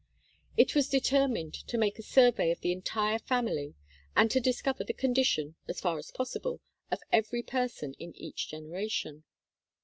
It was determined to make a survey of the entire family and to discover the condition, as far as possible, of every person in each generation.